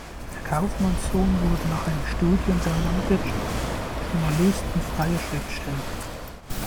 Der Kaufmannssohn wurde nach einem Studium der Landwirtschaft Journalist und freier Schriftsteller.